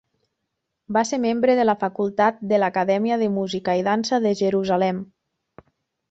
Va ser membre de la facultat de l'Acadèmia de Música i Dansa de Jerusalem.